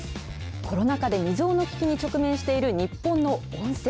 コロナ禍で未曽有の危機に直面している日本の温泉。